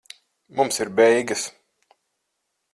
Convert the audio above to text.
Mums ir beigas.